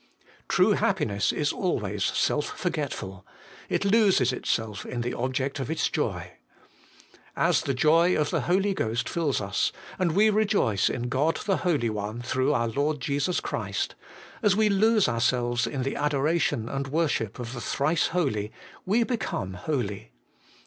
True happiness is always self forgetful : it loses itself in the object of its joy. As the joy of the Holy Ghost fills us, and we rejoice in God the Holy One, through our Lord Jesus Christ, as we lose ourselves in the adoration and worship of the Thrice Holy, we become holy.